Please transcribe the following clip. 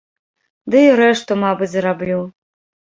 Ды і рэшту, мабыць, зраблю.